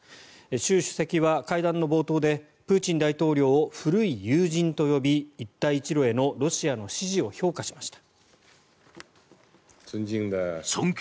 習主席は会談の冒頭でプーチン大統領を古い友人と呼び一帯一路へのロシアの支持を評価しました。